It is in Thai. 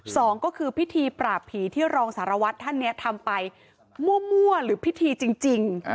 สองก็คือพิธีปราบผีที่รองสารวัตรท่านนี้ทำไปมั่วหรือพิธีจริง